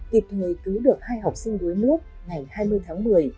kịp thời cứu được hai học sinh đuối nước ngày hai mươi tháng một mươi